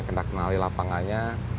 kena kenali lapangannya